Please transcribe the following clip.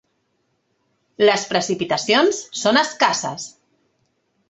Les precipitacions són escasses.